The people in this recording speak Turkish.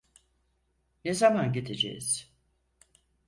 Ne zaman gideceğiz?